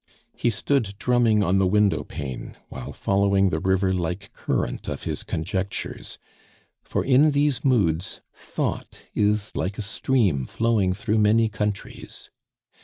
He stood drumming on the window pane while following the river like current of his conjectures, for in these moods thought is like a stream flowing through many countries.